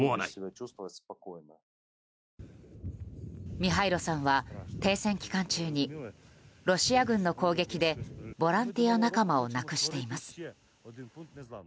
ミハイロさんは停戦期間中にロシア軍の攻撃でボランティア仲間を亡くしています。